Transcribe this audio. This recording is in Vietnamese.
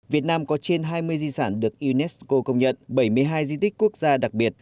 việt nam có trên hai mươi di sản được unesco công nhận bảy mươi hai di tích quốc gia đặc biệt